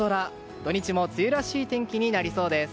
土日も梅雨らしい天気になりそうです。